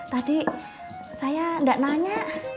tadi saya enggak nanya